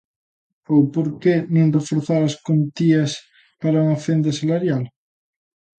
¿Ou por que non reforzar as contías para unha fenda salarial?